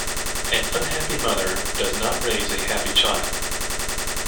An unhappy mother does not raise a happy child.